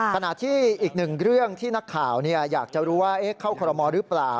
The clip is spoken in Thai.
ขณะที่อีกหนึ่งเรื่องที่นักข่าวอยากจะรู้ว่าเข้าคอรมอลหรือเปล่า